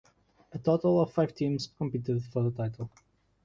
A total of five teams competed for the title.